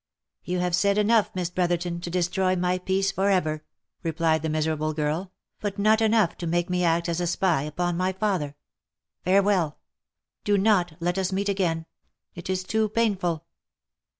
" You have said enough, Miss Brotherton, to destroy my peace for ever," replied the miserable girl, " but not enough to make me act as a spy upon my father. Farewell ! Do not let us meet again! It is too painful."